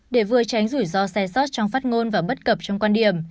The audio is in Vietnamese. để vừa tránh rủi ro sai sót trong phát ngôn và bất cập trong quan điểm